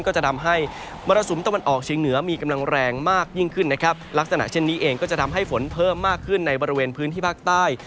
ก็จะทำให้มรสุมตะวันออกเชียงเหนือมีกำลังแรงมากยิ่งขึ้นนะครับลักษณะเช่นนี้เองก็จะทำให้ฝนเพิ่มมากขึ้นในบริเวณพื้นที่ภาคใต้